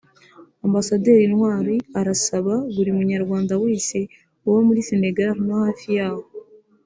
Ambasaderi Ntwari arasaba buri Munywarwanda wese uba muri Sénégal no hafi yaho